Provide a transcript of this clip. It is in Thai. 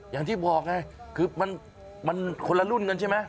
อย่างที่บอกไงคือมันคนละรุ่นกันใช่ไหม